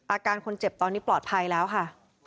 อาการคนเจ็บตอนนี้ปลอดภัยแล้วค่ะ